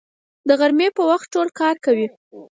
د غرمې په وخت ټول کار کوي